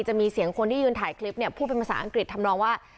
จะมีเสียงคนที่ยืนถ่ายคลิปเนี่ยพูดเป็นภาษาอังกฤษทำนองว่า